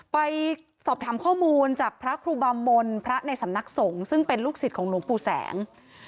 ไปสอบถามข้อมูลจากพระครูบามลพระในสำนักสงฆ์ซึ่งเป็นลูกศิษย์ของหลวงปู่แสง